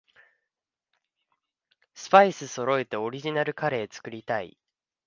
スパイスそろえてオリジナルカレー作りたい